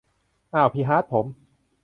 เอ้า พี่ฮาร์ทผม